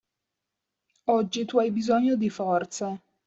Oggi tu hai bisogno di forze.